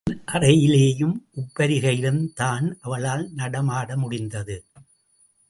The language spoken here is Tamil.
தன் அறையிலேயும், உப்பரிகையிலும்தான் அவளால் நடமாட முடிந்தது.